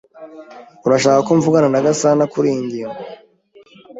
Urashaka ko mvugana na Gasanakuriyi ngingo?